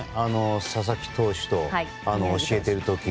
佐々木投手に教えている時の。